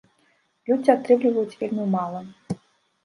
Людзі атрымліваюць вельмі мала.